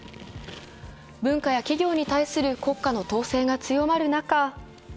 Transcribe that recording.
文化や企業に対する国家の統制が強まる中